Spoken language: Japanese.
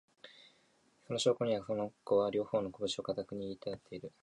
その証拠には、この子は、両方のこぶしを固く握って立っている